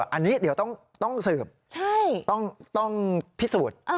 อันนี้เดี๋ยวต้องสืบต้องพิสูจน์